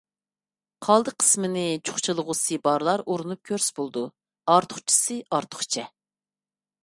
قالدى قىسمىنى چۇخچىلىغۇسى بارلار ئۇرۇنۇپ كۆرسە بولىدۇ. ئارتۇقچىسى ئارتۇقچە.